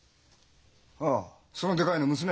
ああそのでかいの娘？